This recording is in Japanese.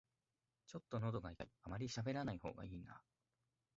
ちょっとのどが痛い、あまりしゃべらない方がいいな